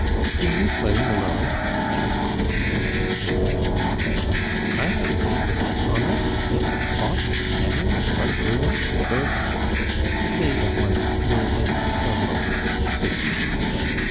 "Do you play, milord?" asked du Tillet to Peyrade. "I have played with O'Connell, Pitt, Fox, Canning, Lord Brougham, Lord " "Say at once no end of lords," said Bixiou.